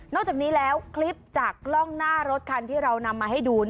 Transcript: จากนี้แล้วคลิปจากกล้องหน้ารถคันที่เรานำมาให้ดู